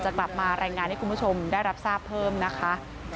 กลับมารายงานให้คุณผู้ชมได้รับทราบเพิ่มนะคะ